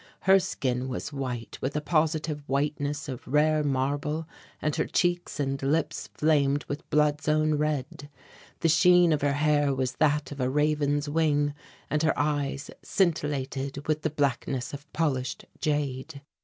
Her skin was white with a positive whiteness of rare marble and her cheeks and lips flamed with blood's own red. The sheen of her hair was that of a raven's wing, and her eyes scintillated with the blackness of polished jade.